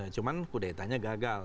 cuma kudetanya gagal